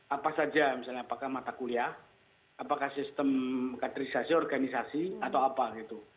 apa saja misalnya apakah mata kuliah apakah sistem kaderisasi organisasi atau apa gitu